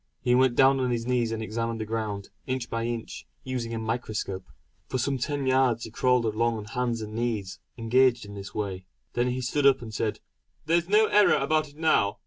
He went down on his knees and examined the ground, inch by inch, using a microscope. For some ten yards he crawled along on hands and knees engaged in this way. Then he stood up and said: "There's no error about it now.